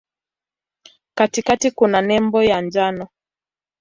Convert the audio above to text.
Katikati kuna nembo ya njano.